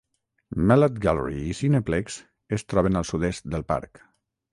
Mellat Gallery i Cineplex es troben al sud-est del parc.